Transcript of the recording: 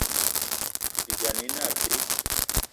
Ibyani ine abe.